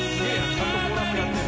ちゃんとコーラスやってる。